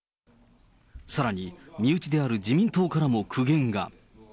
さらに、身内である自民党からも苦言が。